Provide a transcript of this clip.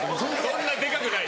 そんなデカくない。